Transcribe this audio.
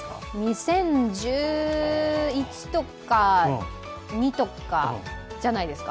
２０１１とか２０１２とかじゃないですか？